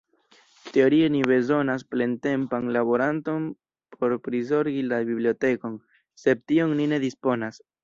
Teorie ni bezonas plentempan laboranton por prizorgi la bibliotekon, sed tion ni ne disponas.